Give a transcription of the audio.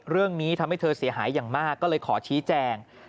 เรื่องนี้ทำให้เธอเสียหายอย่างมากก็เลยขอชี้แจง